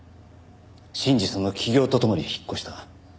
信二さんの起業とともに引っ越した。